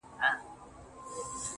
څوک وایي گران دی، څوک وای آسان دی,